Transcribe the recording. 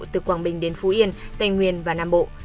từ quảng bình đến phú yên tây nguyên và nam bộ